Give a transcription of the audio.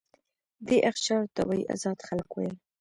دې اقشارو ته به یې آزاد خلک ویل.